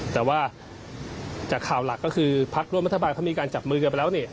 แต่ว่าจากข่าวหลักก็คือพักร่วมรัฐบาลเขามีการจับมือกันไปแล้วเนี่ย